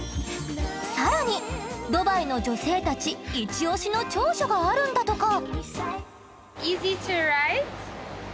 さらにドバイの女性たちイチオシの長所があるんだとか。